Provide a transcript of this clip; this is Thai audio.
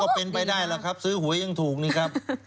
เป็นไปได้ล่ะครับซื้อหวยยังถูกนี่ครับ